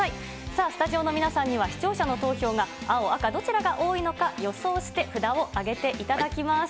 さあ、スタジオの皆さんには視聴者の投票が青、赤、どちらが多いのか、予想して札をあげていただきます。